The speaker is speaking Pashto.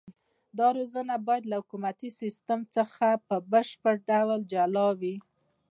دا روزنه باید له حکومتي سیستم څخه په بشپړ ډول جلا وي.